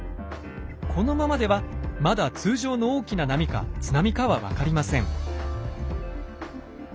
このままではまだ通常の大きな波か津波かは分かりません。